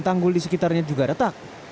tanggul di sekitarnya juga retak